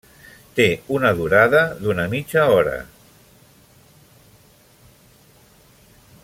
Té una durada d'una mitja hora.